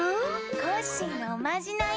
コッシーのおまじない。